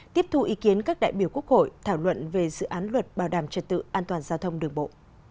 tiếp thu ý kiến các đại biểu quốc hội thảo luận về dự án luật bảo đảm trật tự an toàn giao thông đường bộ